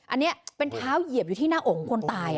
อันนี้เป็นเท้าเหยียบอยู่ที่หน้าอกของคนตาย